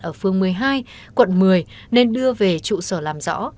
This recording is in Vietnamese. ở phương một mươi hai quận một mươi nên đưa về trụ sở làm rõ